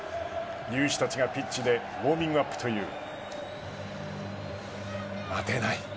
勇士たちがピッチでウォーミングアップという待てない。